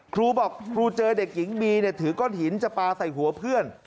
ครูบอกครูเจอเด็กหญิงบีถือก้อนหินจะปลาใส่หัวเพื่อน